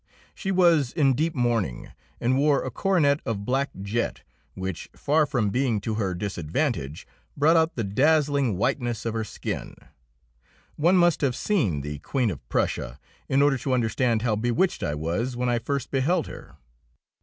She was in deep mourning, and wore a coronet of black jet, which, far from being to her disadvantage, brought out the dazzling whiteness of her skin. One must have seen the Queen of Prussia in order to understand how bewitched I was when I first beheld her.